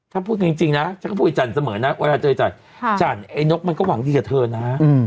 ถ้าพูดจริงนะจะฟูอิจันทร์เสมอนะเวลาจัดจันไอนกมันก็หวังดีกับเธอนะ